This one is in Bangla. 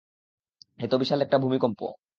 এ তো বিশাল একটা ভূমিকম্প!